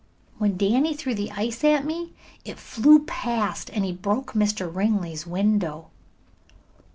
"When Danny threw the ice at me it flew past and broke Mr. Ringley's window."